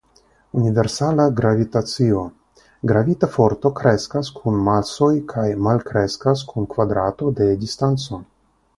Universala Gravitacio: Gravita forto kreskas kun masoj kaj malkreskas kun kvadrato de distanco.